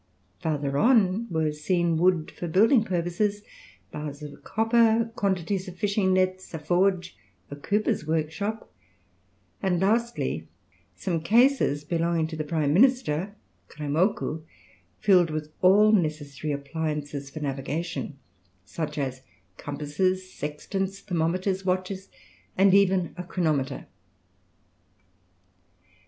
Farther on were seen wood for building purposes, bars of copper, quantities of fishing nets, a forge, a cooper's workshop, and lastly, some cases belonging to the prime minister, Kraimokou, filled with all necessary appliances for navigation, such as compasses, sextants, thermometers, watches, and even a chronometer.